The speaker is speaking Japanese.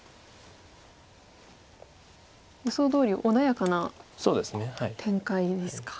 予想どおり穏やかな展開ですか。